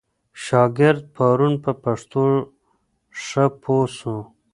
شاګرد پرون په پښتو ښه پوه سو.